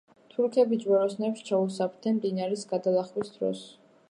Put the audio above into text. თურქები ჯვაროსნებს ჩაუსაფრდნენ მდინარის გადალახვის დროს.